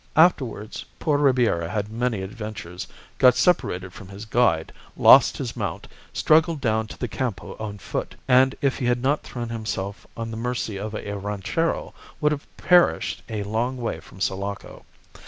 Afterwards poor Ribiera had many adventures, got separated from his guide, lost his mount, struggled down to the Campo on foot, and if he had not thrown himself on the mercy of a ranchero would have perished a long way from Sulaco.